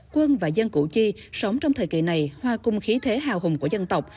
quân và dân cụ chi sống trong thời kỳ này hoa cùng khí thế hào hùng của dân tộc